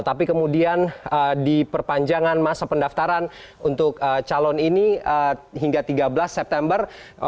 tapi kemudian di perpanjangan masa pendaftaran untuk calon ini hingga tiga belas september